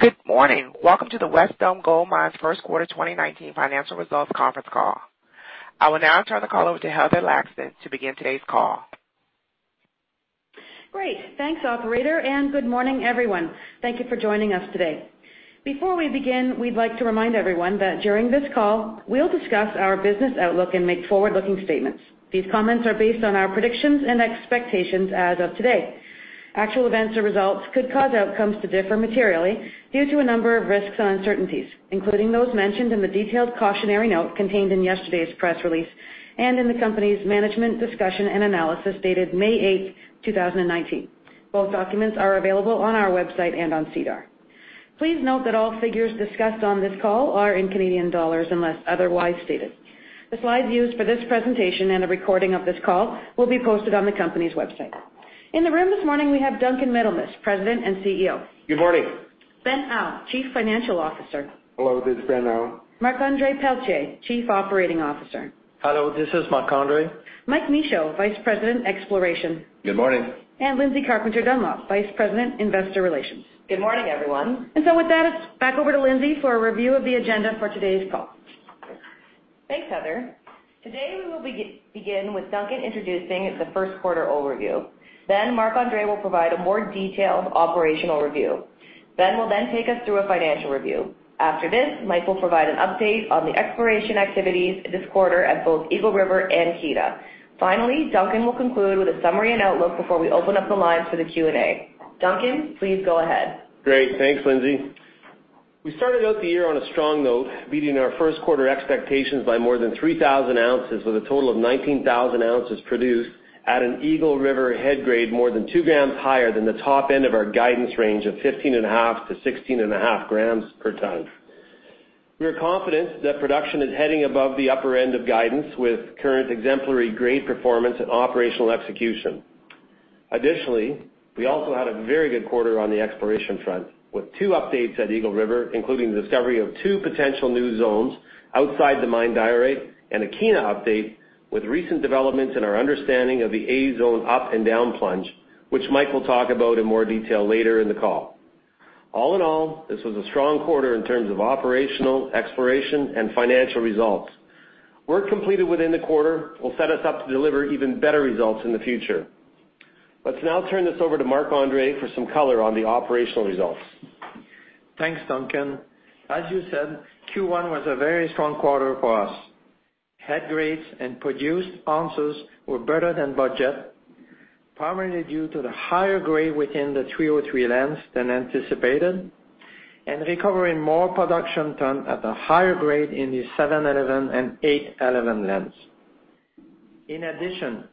Good morning. Welcome to the Wesdome Gold Mines first quarter 2019 financial results conference call. I will now turn the call over to Heather Laxton to begin today's call. Great. Thanks operator. Good morning, everyone. Thank you for joining us today. Before we begin, we'd like to remind everyone that during this call, we'll discuss our business outlook and make forward-looking statements. These comments are based on our predictions and expectations as of today. Actual events or results could cause outcomes to differ materially due to a number of risks and uncertainties, including those mentioned in the detailed cautionary note contained in yesterday's press release, and in the company's management discussion and analysis dated May 8th, 2019. Both documents are available on our website and on SEDAR. Please note that all figures discussed on this call are in Canadian dollars unless otherwise stated. The slides used for this presentation and a recording of this call will be posted on the company's website. In the room this morning, we have Duncan Middlemiss, President and CEO. Good morning. Ben Au, Chief Financial Officer. Hello, this is Ben Au. Marc-Andre Pelletier, Chief Operating Officer. Hello, this is Marc-Andre. Mike Michaud, Vice President, Exploration. Good morning. Lindsay Dunlop, Vice President, Investor Relations. Good morning, everyone. With that, it's back over to Lindsay for a review of the agenda for today's call. Thanks, Heather. Today we will begin with Duncan introducing the first quarter overview. Marc-Andre will provide a more detailed operational review. Ben will take us through a financial review. After this, Mike will provide an update on the exploration activities this quarter at both Eagle River and Kiena. Finally, Duncan will conclude with a summary and outlook before we open up the lines for the Q&A. Duncan, please go ahead. Great. Thanks, Lindsay. We started out the year on a strong note, beating our first quarter expectations by more than 3,000 ounces with a total of 19,000 ounces produced at an Eagle River head grade more than two grams higher than the top end of our guidance range of 15.5 to 16.5 grams per ton. We are confident that production is heading above the upper end of guidance with current exemplary grade performance and operational execution. Additionally, we also had a very good quarter on the exploration front, with two updates at Eagle River, including the discovery of two potential new zones outside the mine diorite, and a Kiena update with recent developments in our understanding of the A Zone up and down plunge, which Mike will talk about in more detail later in the call. All in all, this was a strong quarter in terms of operational, exploration, and financial results. Work completed within the quarter will set us up to deliver even better results in the future. Let's now turn this over to Marc-Andre for some color on the operational results. Thanks, Duncan. As you said, Q1 was a very strong quarter for us. Head grades and produced ounces were better than budget, primarily due to the higher grade within the 303 lens than anticipated and recovering more production ton at a higher grade in the 711 and 811 lens.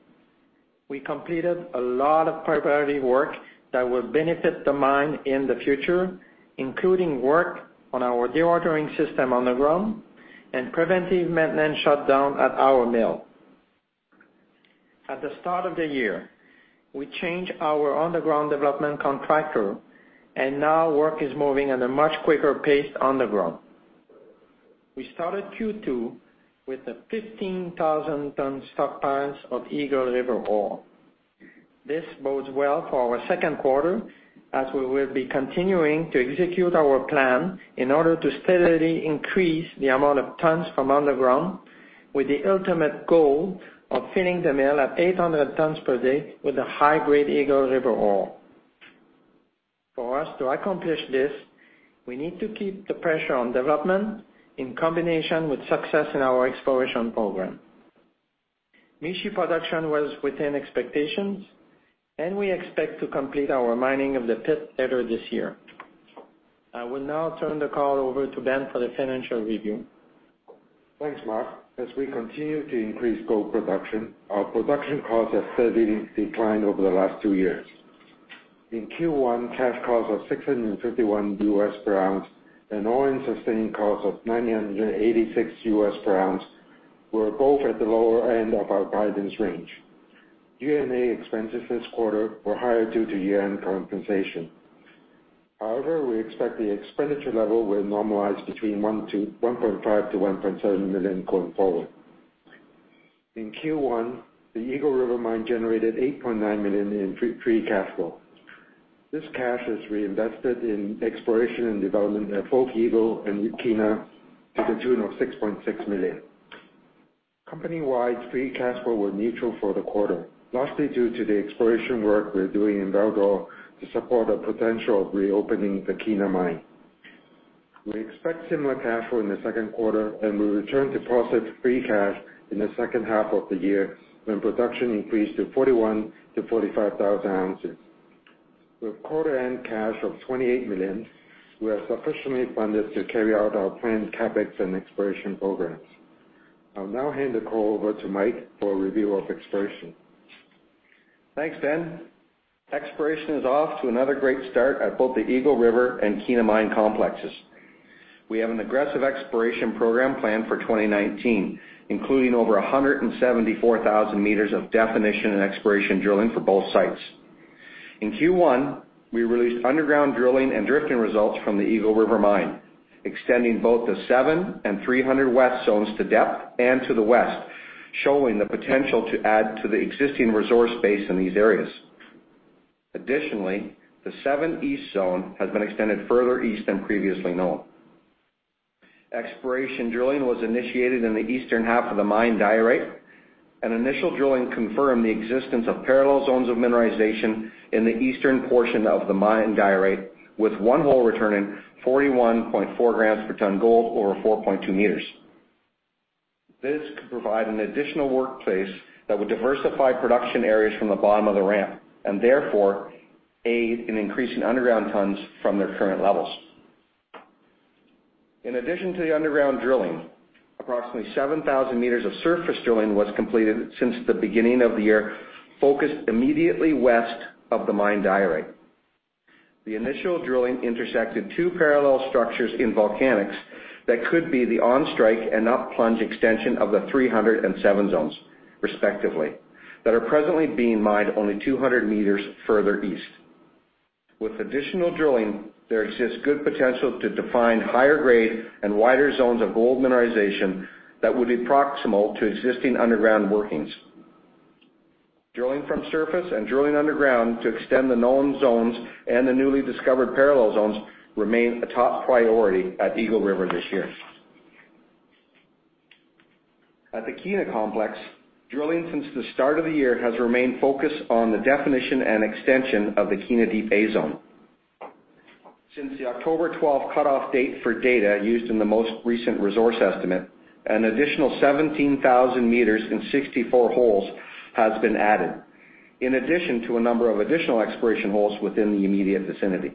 We completed a lot of preparatory work that will benefit the mine in the future, including work on our dewatering system on the ground and preventive maintenance shutdown at our mill. At the start of the year, we changed our underground development contractor and now work is moving at a much quicker pace underground. We started Q2 with the 15,000 ton stockpiles of Eagle River ore. This bodes well for our second quarter as we will be continuing to execute our plan in order to steadily increase the amount of tons from underground with the ultimate goal of filling the mill at 800 tons per day with the high-grade Eagle River ore. For us to accomplish this, we need to keep the pressure on development in combination with success in our exploration program. Mishi production was within expectations, and we expect to complete our mining of the pit later this year. I will now turn the call over to Ben for the financial review. Thanks, Marc. As we continue to increase gold production, our production costs have steadily declined over the last two years. In Q1, cash cost of $651 US per ounce and all-in sustaining costs of $986 US per ounce were both at the lower end of our guidance range. G&A expenses this quarter were higher due to year-end compensation. However, we expect the expenditure level will normalize between 1.5 million-1.7 million going forward. In Q1, the Eagle River mine generated 8.9 million in free cash flow. This cash is reinvested in exploration and development at both Eagle and Kiena to the tune of 6.6 million. Company-wide free cash flow were neutral for the quarter, lastly due to the exploration work we're doing in Val d'Or to support the potential of reopening the Kiena mine. We expect similar cash flow in the second quarter, and we return to positive free cash in the second half of the year when production increased to 41,000-45,000 ounces. With quarter-end cash of 28 million, we are sufficiently funded to carry out our planned CapEx and exploration programs. I'll now hand the call over to Mike for a review of exploration. Thanks, Ben. Exploration is off to another great start at both the Eagle River and Kiena mine complexes. We have an aggressive exploration program plan for 2019, including over 174,000 meters of definition and exploration drilling for both sites. In Q1, we released underground drilling and drifting results from the Eagle River mine, extending both the 7 and 300 West zones to depth and to the west showing the potential to add to the existing resource base in these areas. Additionally, the 7 East Zone has been extended further east than previously known. Exploration drilling was initiated in the eastern half of the mine diorite, and initial drilling confirmed the existence of parallel zones of mineralization in the eastern portion of the mine diorite, with one hole returning 41.4 grams per ton gold over 4.2 meters. This could provide an additional workplace that would diversify production areas from the bottom of the ramp, and therefore aid in increasing underground tons from their current levels. In addition to the underground drilling, approximately 7,000 meters of surface drilling was completed since the beginning of the year, focused immediately west of the mine diorite. The initial drilling intersected two parallel structures in volcanics that could be the on strike and up plunge extension of the 307 Zone, respectively, that are presently being mined only 200 meters further east. With additional drilling, there exists good potential to define higher grade and wider zones of gold mineralization that would be proximal to existing underground workings. Drilling from surface and drilling underground to extend the known zones and the newly discovered parallel zones remain a top priority at Eagle River this year. At the Kiena complex, drilling since the start of the year has remained focused on the definition and extension of the Kiena Deep A zone. Since the October 12 cutoff date for data used in the most recent resource estimate, an additional 17,000 meters and 64 holes has been added, in addition to a number of additional exploration holes within the immediate vicinity.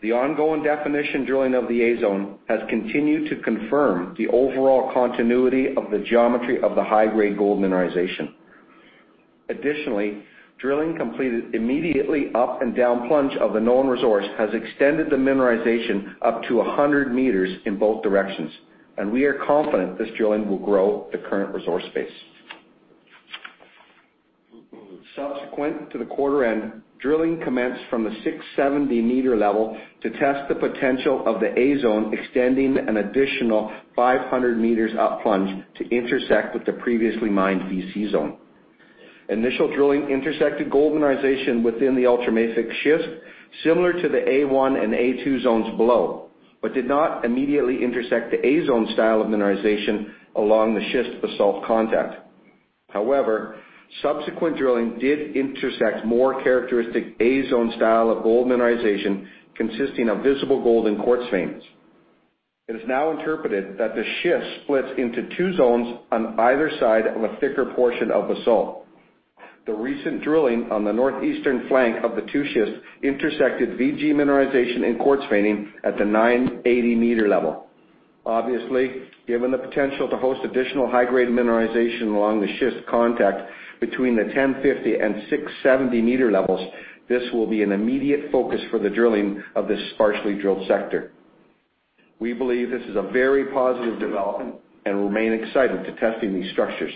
The ongoing definition drilling of the A Zone has continued to confirm the overall continuity of the geometry of the high-grade gold mineralization. Additionally, drilling completed immediately up and down plunge of the known resource has extended the mineralization up to 100 meters in both directions, and we are confident this drilling will grow the current resource base. Subsequent to the quarter end, drilling commenced from the 670 meter level to test the potential of the A Zone extending an additional 500 meters up plunge to intersect with the previously mined VC Zone. Initial drilling intersected gold mineralization within the ultramafic schist, similar to the A1 and A2 Zones below, but did not immediately intersect the A Zone style of mineralization along the schist basalt contact. However, subsequent drilling did intersect more characteristic A Zone style of gold mineralization consisting of visible gold and quartz veins. It is now interpreted that the schist splits into two zones on either side of a thicker portion of basalt. The recent drilling on the northeastern flank of the two schists intersected VG mineralization and quartz veining at the 980 meter level. Obviously, given the potential to host additional high-grade mineralization along the schist contact between the 1,050 and 670 meter levels, this will be an immediate focus for the drilling of this sparsely drilled sector. We believe this is a very positive development and remain excited to testing these structures.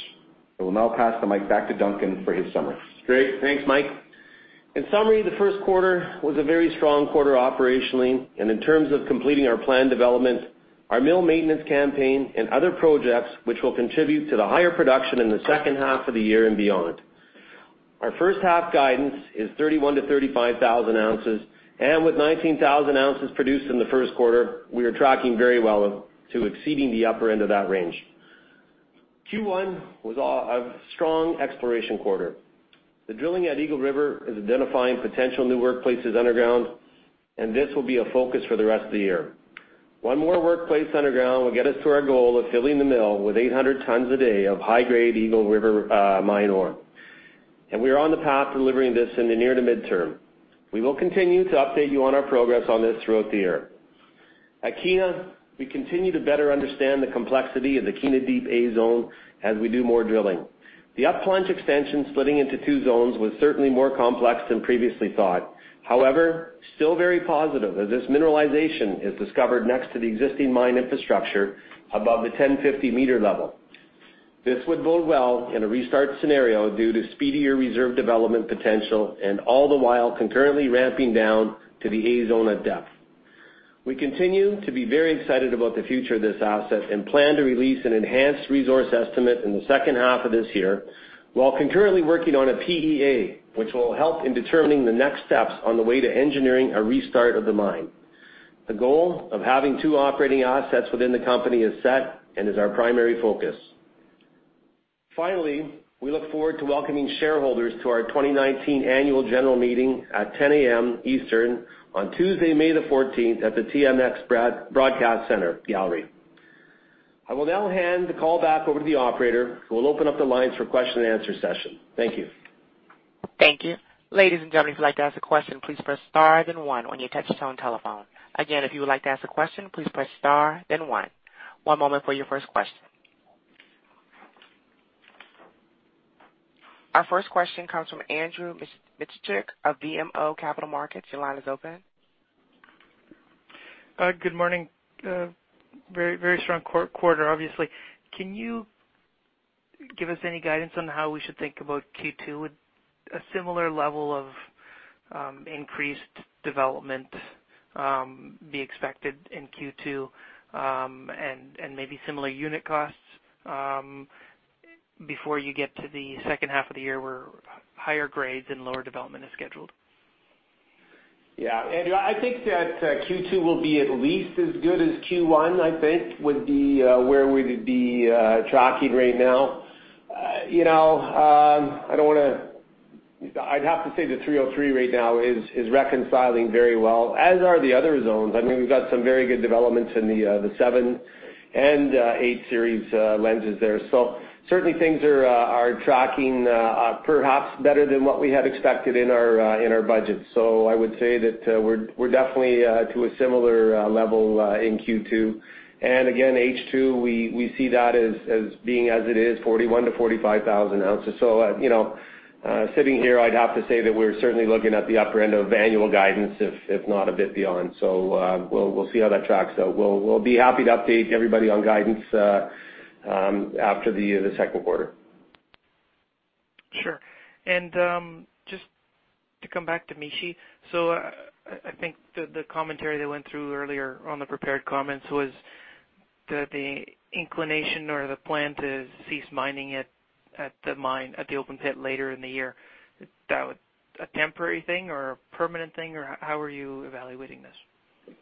I will now pass the mic back to Duncan for his summary. Great. Thanks, Mike. In summary, the first quarter was a very strong quarter operationally and in terms of completing our planned development, our mill maintenance campaign, and other projects which will contribute to the higher production in the second half of the year and beyond. Our first half guidance is 31,000-35,000 ounces, with 19,000 ounces produced in the first quarter, we are tracking very well to exceeding the upper end of that range. Q1 was a strong exploration quarter. The drilling at Eagle River is identifying potential new workplaces underground, this will be a focus for the rest of the year. One more workplace underground will get us to our goal of filling the mill with 800 tons a day of high-grade Eagle River mine ore, we are on the path to delivering this in the near to midterm. We will continue to update you on our progress on this throughout the year. At Kiena, we continue to better understand the complexity of the Kiena Deep A zone as we do more drilling. The up plunge extension splitting into two zones was certainly more complex than previously thought. However, still very positive as this mineralization is discovered next to the existing mine infrastructure above the 1,050 meter level. This would bode well in a restart scenario due to speedier reserve development potential, all the while concurrently ramping down to the A zone at depth. We continue to be very excited about the future of this asset and plan to release an enhanced resource estimate in the second half of this year, while concurrently working on a PEA, which will help in determining the next steps on the way to engineering a restart of the mine. The goal of having two operating assets within the company is set, is our primary focus. Finally, we look forward to welcoming shareholders to our 2019 Annual General Meeting at 10:00 A.M. Eastern on Tuesday, May the 14th at the TMX Broadcast Center Gallery. I will now hand the call back over to the operator, who will open up the lines for question and answer session. Thank you. Thank you. Ladies and gentlemen, if you'd like to ask a question, please press star then one on your touchtone telephone. Again, if you would like to ask a question, please press star then one. One moment for your first question. Our first question comes from Andrew Mikitchook of BMO Capital Markets. Your line is open. Good morning. Very strong quarter, obviously. Can you give us any guidance on how we should think about Q2? A similar level of increased development be expected in Q2, and maybe similar unit costs before you get to the second half of the year where higher grades and lower development is scheduled? Yeah, Andrew, I think that Q2 will be at least as good as Q1, I think, with where we would be tracking right now. I'd have to say the 303 right now is reconciling very well, as are the other zones. We've got some very good developments in the seven and eight series lenses there. Certainly things are tracking perhaps better than what we had expected in our budget. I would say that we're definitely to a similar level in Q2. Again, H2, we see that as being as it is, 41,000-45,000 ounces. Sitting here, I'd have to say that we're certainly looking at the upper end of annual guidance, if not a bit beyond. We'll see how that tracks out. We'll be happy to update everybody on guidance after the second quarter. Sure. Just to come back to Mishi, so I think the commentary they went through earlier on the prepared comments was that the inclination or the plan to cease mining at the mine, at the open pit later in the year, is that a temporary thing or a permanent thing, or how are you evaluating this?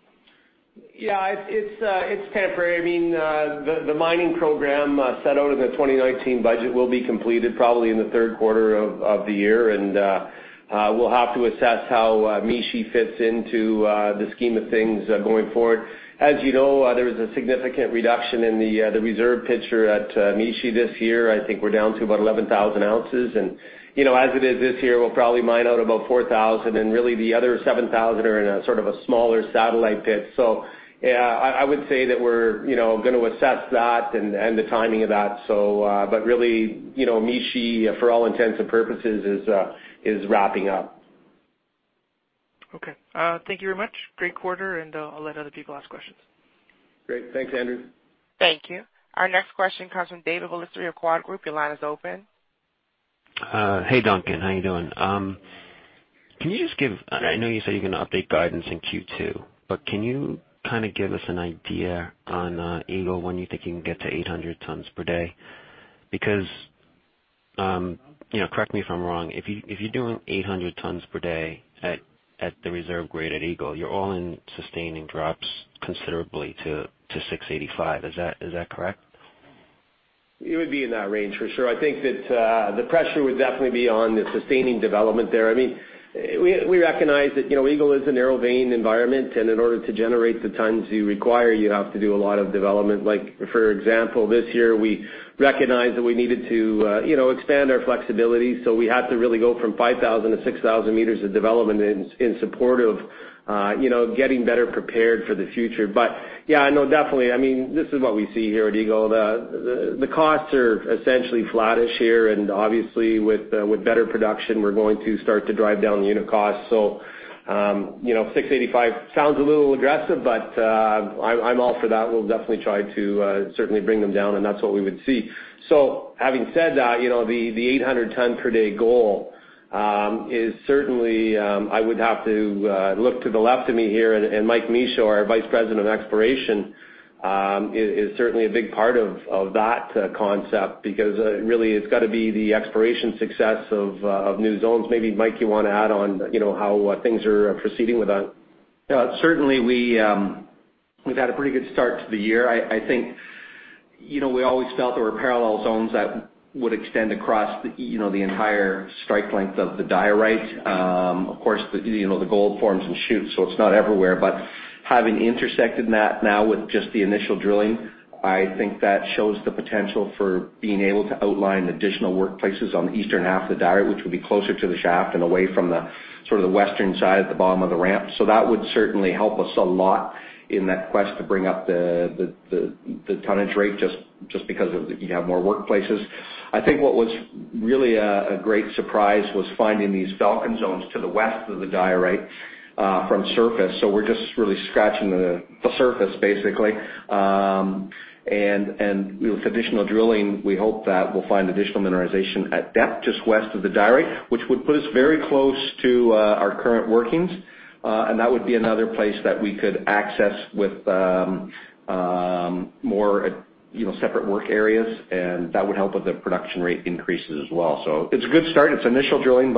Yeah, it's temporary. The mining program set out in the 2019 budget will be completed probably in the third quarter of the year, and we'll have to assess how Mishi fits into the scheme of things going forward. As you know, there was a significant reduction in the reserve picture at Mishi this year. I think we're down to about 11,000 ounces, and as it is this year, we'll probably mine out about 4,000, and really the other 7,000 are in a sort of a smaller satellite pit. I would say that we're going to assess that and the timing of that. Really, Mishi, for all intents and purposes, is wrapping up. Okay. Thank you very much. Great quarter, and I'll let other people ask questions. Great. Thanks, Andrew. Thank you. Our next question comes from David Ballister of Quadrivium. Your line is open. Hey, Duncan. How you doing? I know you said you're going to update guidance in Q2. Can you give us an idea on Eagle, when you think you can get to 800 tons per day? Correct me if I'm wrong, if you're doing 800 tons per day at the reserve grade at Eagle, your all-in sustaining drops considerably to $685. Is that correct? It would be in that range for sure. I think that the pressure would definitely be on the sustaining development there. We recognize that Eagle is a narrow vein environment. In order to generate the tons you require, you have to do a lot of development. For example, this year, we recognized that we needed to expand our flexibility. We had to really go from 5,000 to 6,000 meters of development in support of getting better prepared for the future. Yeah, no, definitely, this is what we see here at Eagle. The costs are essentially flattish here. Obviously with better production, we're going to start to drive down the unit cost. $685 sounds a little aggressive. I'm all for that. We'll definitely try to certainly bring them down. That's what we would see. Having said that, the 800 ton per day goal is certainly, I would have to look to the left of me here. Mike Michaud, our Vice President of Exploration, is certainly a big part of that concept. Really, it's got to be the exploration success of new zones. Maybe, Mike, you want to add on how things are proceeding with that? Yeah. Certainly, we've had a pretty good start to the year. I think we always felt there were parallel zones that would extend across the entire strike length of the diorite. Of course, the gold forms and shoots. It's not everywhere. Having intersected that now with just the initial drilling, I think that shows the potential for being able to outline additional workplaces on the eastern half of the diorite, which would be closer to the shaft and away from the western side at the bottom of the ramp. That would certainly help us a lot in that quest to bring up the tonnage rate, just because you have more workplaces. I think what was really a great surprise was finding these Falcon Zones to the west of the diorite from the surface. We're just really scratching the surface, basically. With additional drilling, we hope that we'll find additional mineralization at depth just west of the diorite, which would put us very close to our current workings. That would be another place that we could access with more separate work areas, and that would help with the production rate increases as well. It's a good start. It's initial drilling,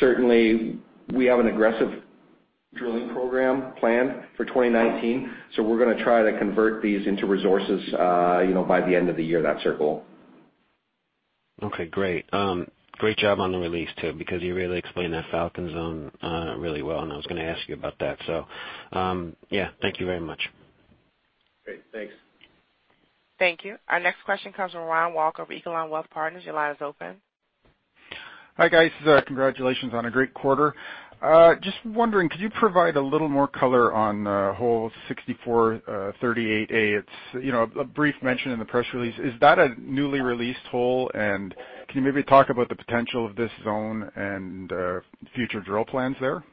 certainly we have an aggressive drilling program plan for 2019. We're going to try to convert these into resources by the end of the year. That's our goal. Okay, great. Great job on the release, too, because you really explained that Falcon Zone really well, and I was going to ask you about that. Yeah. Thank you very much. Great. Thanks. Thank you. Our next question comes from Ron Walker of Eagle Alliance Wealth Partners. Your line is open. Hi, guys. Congratulations on a great quarter. Just wondering, could you provide a little more color on hole 6438A? A brief mention in the press release. Is that a newly released hole, and can you maybe talk about the potential of this zone and future drill plans there?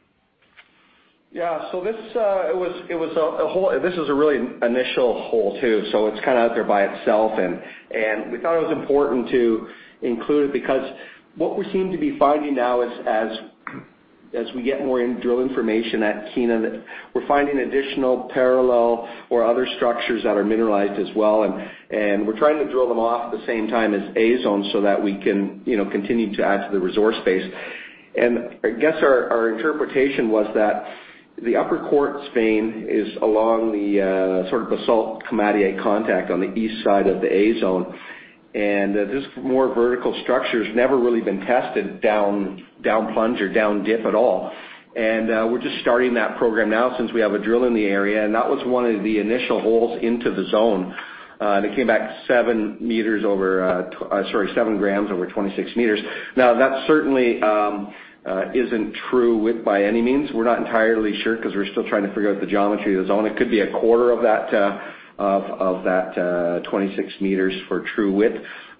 Yeah. This is a really initial hole too. It's out there by itself. We thought it was important to include it because what we seem to be finding now, as we get more drill information at Kiena, we're finding additional parallel or other structures that are mineralized as well. We're trying to drill them off at the same time as A Zone so that we can continue to add to the resource base. I guess our interpretation was that the Upper Quartz Zone is along the basalt-komatiite contact on the east side of the A Zone, and this more vertical structure's never really been tested down plunge or down dip at all. We're just starting that program now since we have a drill in the area, and that was one of the initial holes into the zone. It came back 7 grams over 26 meters. That certainly isn't true width by any means. We're not entirely sure because we're still trying to figure out the geometry of the zone. It could be a quarter of that 26 meters for true width.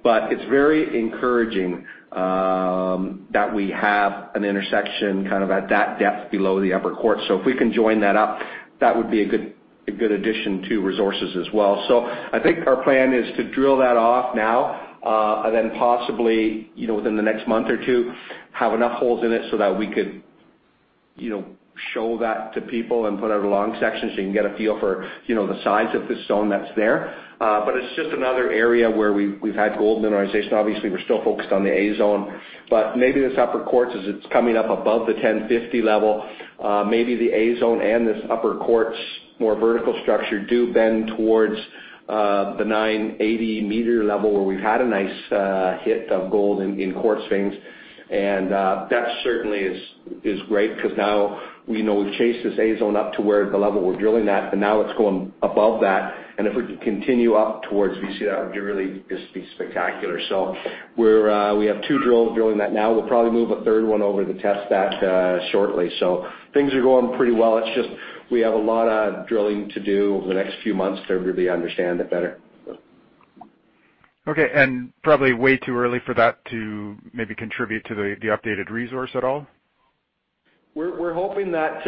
It's very encouraging that we have an intersection at that depth below the Upper Quartz Zone. If we can join that up, that would be a good addition to resources as well. I think our plan is to drill that off now, and then possibly within the next month or two, have enough holes in it so that we could show that to people and put out a long section so you can get a feel for the size of the stone that's there. It's just another area where we've had gold mineralization. Obviously, we're still focused on the A Zone, but maybe this Upper Quartz Zone, as it's coming up above the 1050 level, maybe the A Zone and this Upper Quartz Zone, more vertical structure, do bend towards the 980-meter level where we've had a nice hit of gold in quartz veins. That certainly is great because now we know we've chased this A Zone up to where the level we're drilling at, but now it's going above that. If we could continue up towards VC Zone, that would really just be spectacular. We have 2 drills drilling that now. We'll probably move a third one over to test that shortly. Things are going pretty well. It's just we have a lot of drilling to do over the next few months to really understand it better. Okay, probably way too early for that to maybe contribute to the updated resource at all? We're hoping that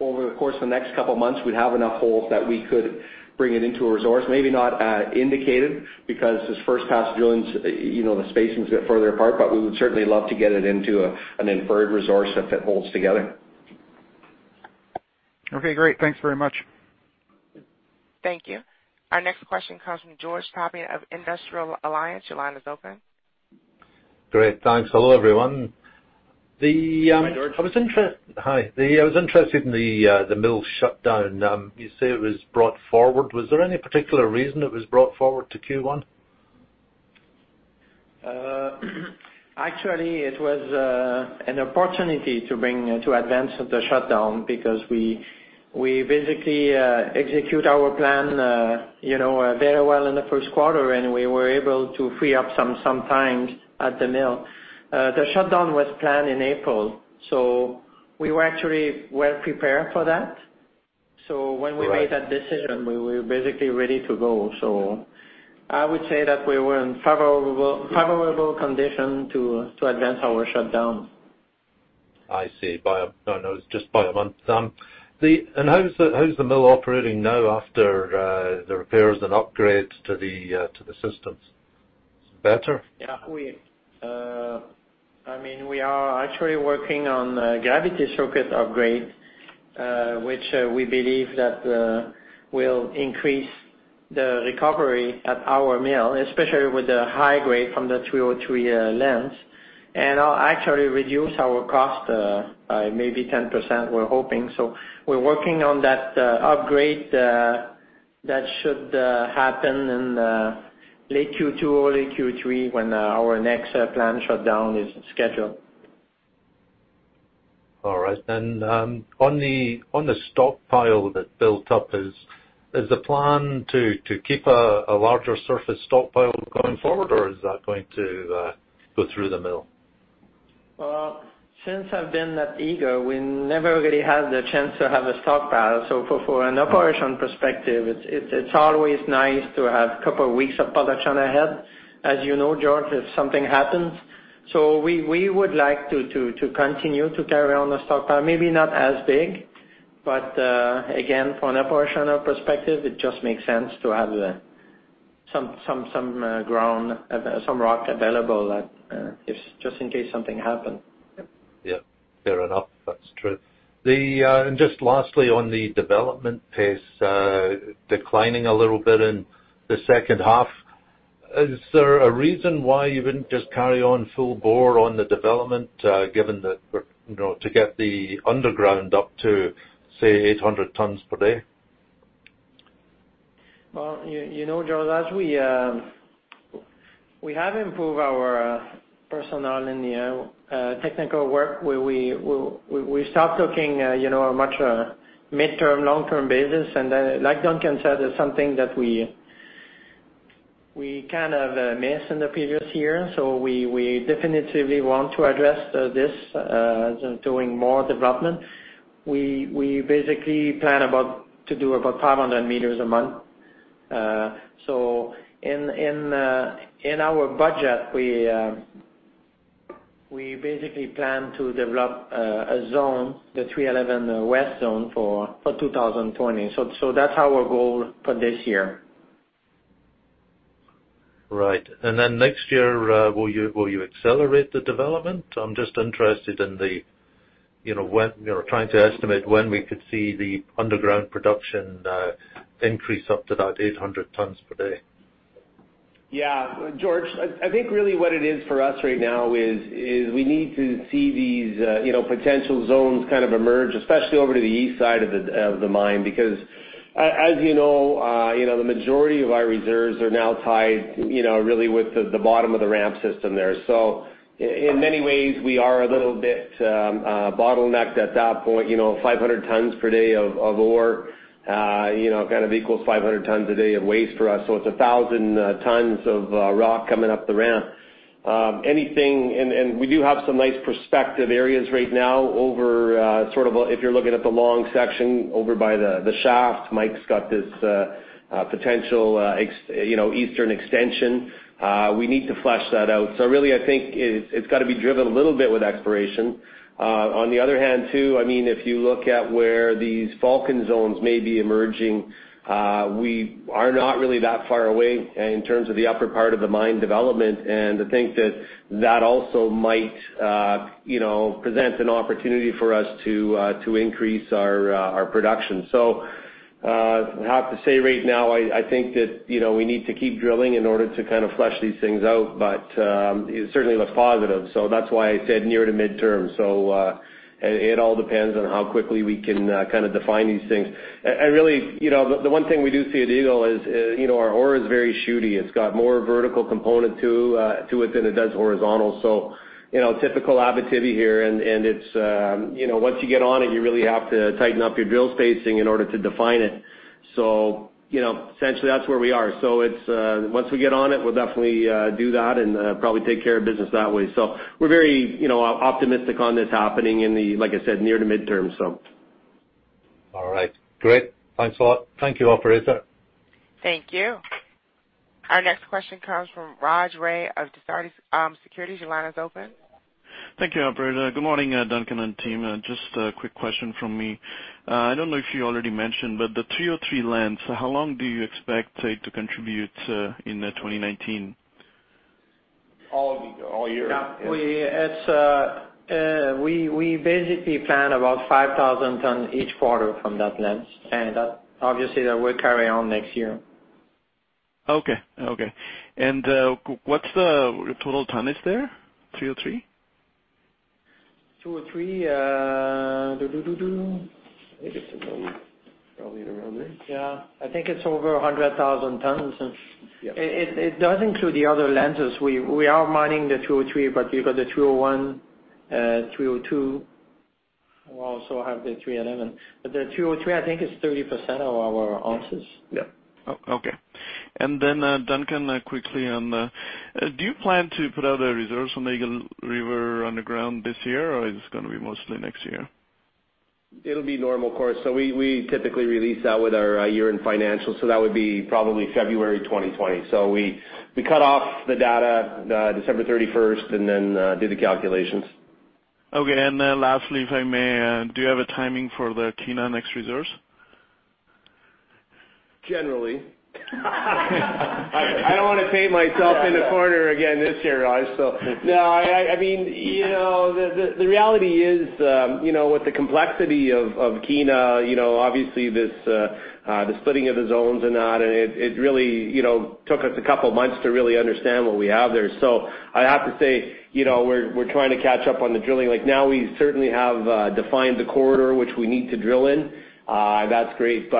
over the course of the next couple of months, we'd have enough holes that we could bring it into a resource. Maybe not indicated, because this first pass drilling, the spacings are further apart, but we would certainly love to get it into an inferred resource if it holds together. Okay, great. Thanks very much. Thank you. Our next question comes from George Topping of Industrial Alliance. Your line is open. Great. Thanks. Hello, everyone. Hi, George. Hi. I was interested in the mill shutdown. You say it was brought forward. Was there any particular reason it was brought forward to Q1? Actually, it was an opportunity to advance the shutdown because we basically execute our plan very well in the first quarter, and we were able to free up some time at the mill. The shutdown was planned in April, we were actually well prepared for that. When we made that decision, we were basically ready to go. I would say that we were in favorable condition to advance our shutdown. I see. Just by a month. How's the mill operating now after the repairs and upgrades to the systems? Better? Yeah. We are actually working on a gravity circuit upgrade, which we believe that will increase the recovery at our mill, especially with the high grade from the 303 lens, and actually reduce our cost by maybe 10%, we're hoping. We're working on that upgrade. That should happen in late Q2, early Q3, when our next planned shutdown is scheduled. All right. On the stockpile that built up, is the plan to keep a larger surface stockpile going forward, or is that going to go through the mill? Well, since I've been at Eagle, we never really had the chance to have a stockpile. For an operation perspective, it's always nice to have a couple of weeks of production ahead, as you know, George, if something happens. We would like to continue to carry on the stockpile, maybe not as big, but again, from an operational perspective, it just makes sense to have some rock available just in case something happen. Just lastly on the development pace declining a little bit in the second half, is there a reason why you wouldn't just carry on full bore on the development to get the underground up to, say, 800 tons per day? Well, George, as we have improved our personnel in the technical work, we start looking a much midterm, long-term basis. Then, like Duncan said, it's something that we kind of missed in the previous year. We definitively want to address this doing more development. We basically plan to do about 500 meters a month. In our budget, we basically plan to develop a zone, the 311 West Zone, for 2020. That's our goal for this year. Right. Then next year, will you accelerate the development? I'm just interested in trying to estimate when we could see the underground production increase up to that 800 tons per day. George, I think really what it is for us right now is, we need to see these potential zones kind of emerge, especially over to the east side of the mine, because as you know, the majority of our reserves are now tied really with the bottom of the ramp system there. In many ways, we are a little bit bottlenecked at that point, 500 tons per day of ore, kind of equals 500 tons a day of waste for us. It's 1,000 tons of rock coming up the ramp. We do have some nice prospective areas right now over, sort of, if you're looking at the long section over by the shaft, Mike's got this potential eastern extension. We need to flesh that out. Really, I think it's got to be driven a little bit with exploration. On the other hand, too, if you look at where these Falcon Zones may be emerging, we are not really that far away in terms of the upper part of the mine development. I think that that also might present an opportunity for us to increase our production. I have to say right now, I think that we need to keep drilling in order to kind of flesh these things out, but it certainly looks positive. That's why I said near to midterm. It all depends on how quickly we can kind of define these things. Really, the one thing we do see at Eagle is our ore is very shooty. It's got more vertical component to it than it does horizontal. Typical Abitibi here, and once you get on it, you really have to tighten up your drill spacing in order to define it. Essentially that's where we are. Once we get on it, we'll definitely do that and probably take care of business that way. We're very optimistic on this happening in the, like I said, near to midterm. All right. Great. Thanks a lot. Thank you, operator. Thank you. Our next question comes from Raj Ray of Desjardins Securities. Your line is open. Thank you, operator. Good morning, Duncan and team. Just a quick question from me. I don't know if you already mentioned, but the 303 lens, how long do you expect it to contribute in 2019? All year. We basically plan about 5,000 tons each quarter from that lens, and obviously that will carry on next year. Okay. What is the total tonnage there, 303? 303, I think it is probably in around there. Yeah, I think it is over 100,000 tons. Yes. It does include the other lenses. We are mining the 203, but you have got the 201, 302. We also have the 311. The 203, I think it's 30% of our ounces. Yeah. Okay. Duncan, quickly on the, do you plan to put out a reserves on Eagle River underground this year, or it's going to be mostly next year? It'll be normal course. We typically release that with our year-end financials, that would be probably February 2020. We cut off the data December 31st and then do the calculations. Okay. Lastly, if I may, do you have a timing for the Kiena next reserves? Generally. I don't want to paint myself in a corner again this year, Raj. No, the reality is with the complexity of Kiena, obviously the splitting of the zones and that, and it really took us a couple of months to really understand what we have there. I have to say, we're trying to catch up on the drilling. Like now we certainly have defined the corridor which we need to drill in. That's great.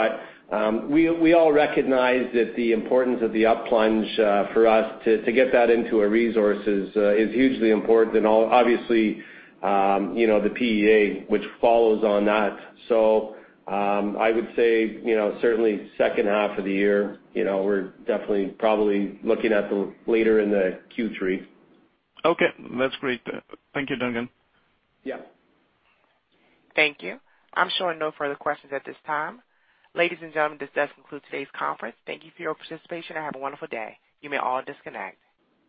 We all recognize that the importance of the up plunge for us to get that into a resource is hugely important. Obviously, the PEA which follows on that. I would say, certainly second half of the year. We're definitely probably looking at later in Q3. Okay. That's great. Thank you, Duncan. Yeah. Thank you. I'm showing no further questions at this time. Ladies and gentlemen, this does conclude today's conference. Thank you for your participation and have a wonderful day. You may all disconnect.